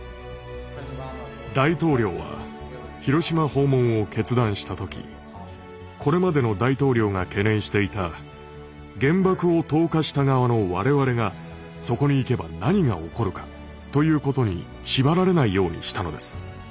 大統領は広島訪問を決断した時これまでの大統領が懸念していた原爆を投下した側の我々がそこに行けば何が起こるかということに縛られないようにしたのです。